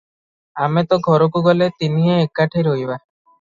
ଆମେ ତ ଘରକୁ ଗଲେ ତିନିହେଁ ଏକାଠି ରହିବା ।